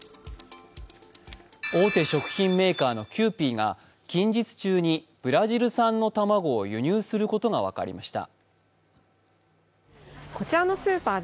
大手食品メーカーのキユーピーが近日中にブラジル産の卵を輸入することが分かりました。